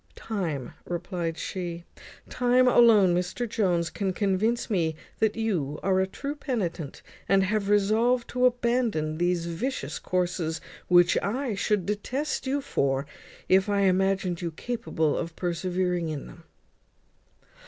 "Time," replied she; "time alone, Mr Jones, can convince me that you are a true penitent, and have resolved to abandon these vicious courses, which I should detest you for, if I imagined you capable of persevering in them."